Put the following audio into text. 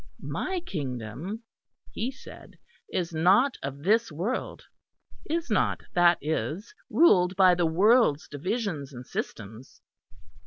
My kingdom, He said, is not of this world is not, that is, ruled by the world's divisions and systems.